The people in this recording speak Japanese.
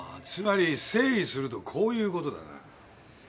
つまり整理するとこういうことだな。